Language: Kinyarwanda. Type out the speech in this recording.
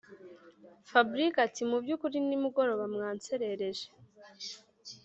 fabric ati”mubyukuri nimugoroba mwanserereje